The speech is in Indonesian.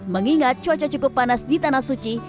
mengingat cuaca cukup panas di tanah suci